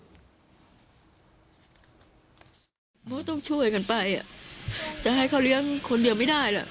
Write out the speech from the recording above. ก็ต้องช่วยกันไปจะให้เขาเลี้ยงคนเดียวไม่ได้ล่ะ